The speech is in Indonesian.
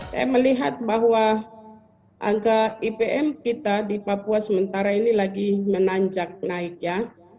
saya melihat bahwa angka ipm kita di papua sementara ini lagi menanjak naik ya